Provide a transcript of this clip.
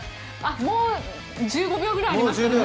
１５秒ぐらいありますね。